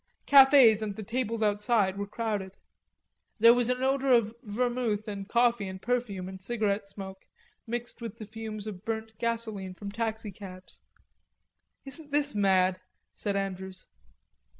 Cafes and the tables outside were crowded. There was an odor of vermouth and coffee and perfume and cigarette smoke mixed with the fumes of burnt gasoline from taxicabs. "Isn't this mad?" said Andrews.